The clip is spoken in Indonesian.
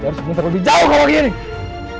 kita harus beruntung lebih jauh ke bagian ini